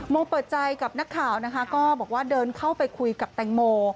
โมเปิดใจกับนักข่าวนะคะก็บอกว่าเดินเข้าไปคุยกับแตงโม